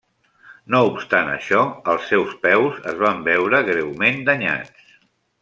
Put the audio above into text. No obstant això, els seus peus es van veure greument danyats.